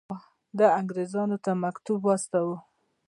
ده انګرېزانو ته مکتوب واستاوه.